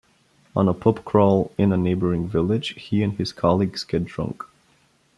On a pub crawl in a neighbouring village, he and his colleagues get drunk.